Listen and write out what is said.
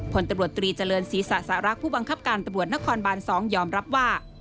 ผลตำรวจตรีเจริญศรีสะสารักผู้บังคับการตำรวจนครบาน๒ยอมรับว่า